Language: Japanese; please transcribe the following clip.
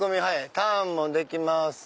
ターンもできます。